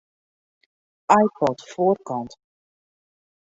iPod foarkant.